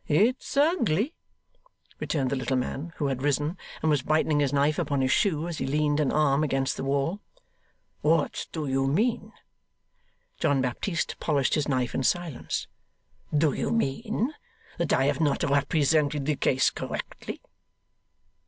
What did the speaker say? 'It's ugly,' returned the little man, who had risen, and was brightening his knife upon his shoe, as he leaned an arm against the wall. 'What do you mean?' John Baptist polished his knife in silence. 'Do you mean that I have not represented the case correctly?